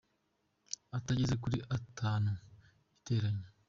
atageze kuri atanu, igiteranyo.